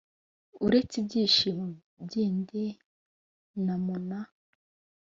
Uretse ibishyimbo by'indi namuna